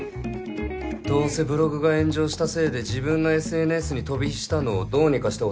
どうせブログが炎上したせいで自分のＳＮＳに飛び火したのをどうにかしてほしい。